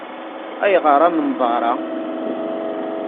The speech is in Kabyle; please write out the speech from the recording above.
Ayɣer amenḍar-a?